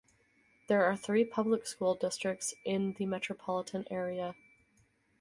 There are three public school districts in the metropolitan area.